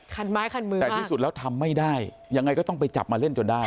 คันไม้คันมือแต่ที่สุดแล้วทำไม่ได้ยังไงก็ต้องไปจับมาเล่นจนได้